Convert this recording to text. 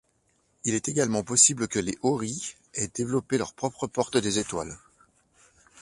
Il est également possible que les Oris aient développé leur propre porte des étoiles.